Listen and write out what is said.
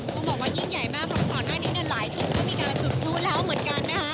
คุณบอกว่ายิ่งใหญ่มากเพราะข้างหน้านี้หลายที่ก็มีการจุดพลุแล้วเหมือนกันนะฮะ